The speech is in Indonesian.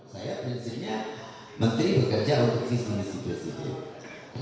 saya prinsipnya menteri bekerja untuk visi misi presiden